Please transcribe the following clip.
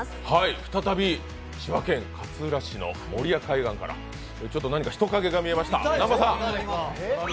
再び千葉県勝浦市の守谷海岸から何か人影が見えました。